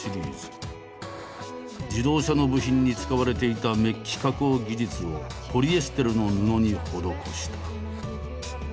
自動車の部品に使われていたメッキ加工技術をポリエステルの布に施した。